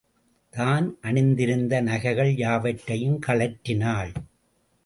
தான் அணிந்திருந்த நகைகள் யாவற்றையும் கழற்றினாள்.